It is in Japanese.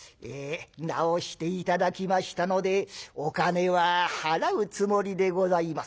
「治して頂きましたのでお金は払うつもりでございます」。